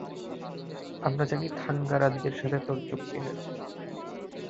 আমরা জানি থাঙ্গারাজের সাথে তোর চুক্তি হয়েছে।